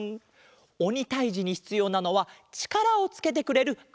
おにたいじにひつようなのはちからをつけてくれるあれだわん。